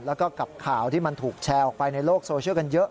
แล้วก็กับข่าวที่มันถูกแชร์ออกไปในโลกโซเชียลกันเยอะ